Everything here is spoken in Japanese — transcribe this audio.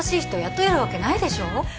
雇えるわけないでしょ